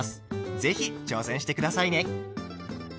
是非挑戦して下さいね。